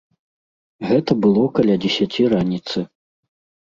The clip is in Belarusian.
Гэта было каля дзесяці раніцы.